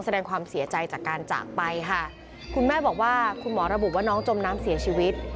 แสดงความเสียใจจากการจากไปค่ะคุณแม่บอกว่าคุณหมอระบุว่าน้องจมน้ำเสียชีวิต